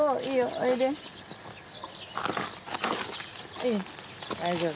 うん大丈夫。